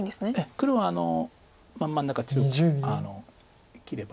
黒は真ん中中央切れば。